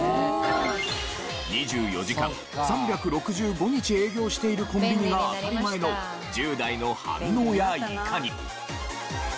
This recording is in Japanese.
２４時間３６５日営業しているコンビニが当たり前の１０代の反応やいかに？